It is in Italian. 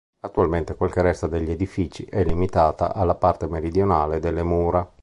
Attualmente quel che resta degli edifici è limitata alla parte meridionale delle mura.